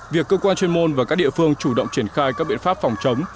việc cơ quan chuyên môn và các địa phương chủ động triển khai các biện pháp phòng chống